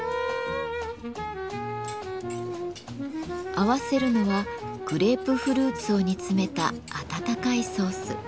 合わせるのはグレープフルーツを煮詰めた温かいソース。